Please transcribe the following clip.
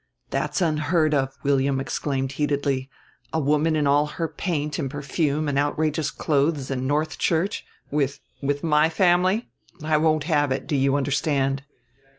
"That's unheard of," William exclaimed heatedly; "a woman in all her paint and perfume and outrageous clothes in North Church, with with my family! I won't have it, do you understand."